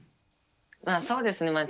まあそうですね。